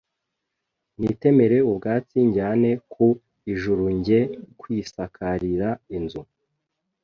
nitemere ubwatsi njyane ku ijurunjye kwisakarira inzu.